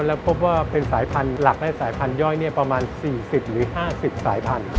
แล้วพบว่าเป็นสายพันธุ์หลักและสายพันธย่อยประมาณ๔๐หรือ๕๐สายพันธุ